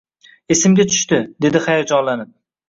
Esimga tushdi, dedi hayajonlanib